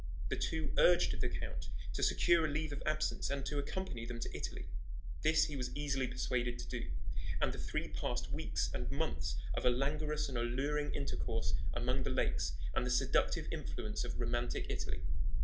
The two urged the count to secure a leave of absence and to accompany them to Italy. This he was easily persuaded to do; and the three passed weeks and months of a languorous and alluring intercourse among the lakes and the seductive influence of romantic Italy.